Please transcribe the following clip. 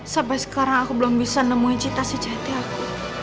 sampai sekarang aku belum bisa nemuin cinta sejati aku